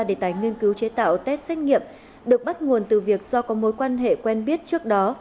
đề tài nghiên cứu chế tạo test xét nghiệm được bắt nguồn từ việc do có mối quan hệ quen biết trước đó